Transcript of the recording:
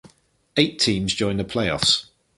Eight teams join the playoffs.